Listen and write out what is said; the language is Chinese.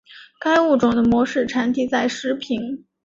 该物种的模式产地在石屏。